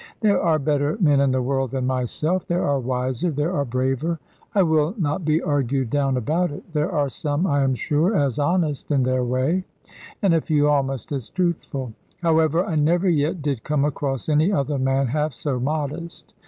There are better men in the world than myself; there are wiser; there are braver; I will not be argued down about it there are some (I am sure) as honest, in their way; and a few almost as truthful. However, I never yet did come across any other man half so modest.